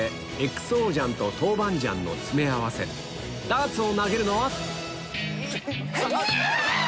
ダーツを投げるのは？ニャ！